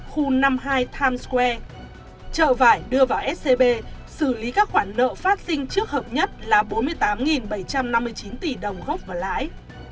khu năm mươi hai times square chợ vải đưa vào scb xử lý các khoản nợ phát sinh trước hợp nhất là bốn mươi tám bảy trăm năm mươi chín tỷ đồng gốc và lãi